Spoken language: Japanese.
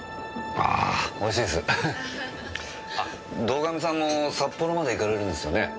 堂上さんも札幌まで行かれるんですよね？